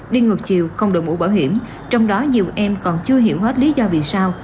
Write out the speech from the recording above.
đi ngược chiều không đổi mũ bảo hiểm trong đó nhiều em còn chưa hiểu hết lý do vì sao